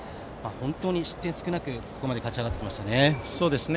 本当に失点が少なくここまで勝ち上がってきましたね。